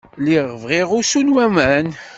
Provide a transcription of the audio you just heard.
Lliɣ bɣiɣ usu n waman.